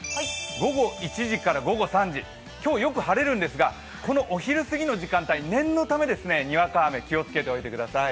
午後１時から午後３時、今日、よく晴れるんですが、このお昼過ぎの時間帯、念のため、にわか雨気をつけておいてください。